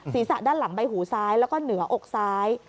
ศีรษะด้านหลังใบหูซ้ายแล้วก็เหนืออกซ้าย